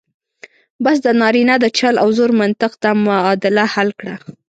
بس د نارینه د چل او زور منطق دا معادله حل کړه.